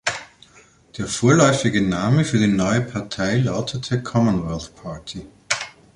Der vorläufige Name für die neue Partei lautete Commonwealth Party.